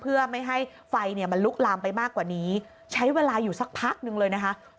เพื่อไม่ให้ไฟเนี่ยมันลุกลามไปมากกว่านี้ใช้เวลาอยู่สักพักหนึ่งเลยนะคะ